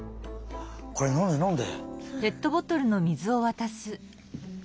これのんでのんで。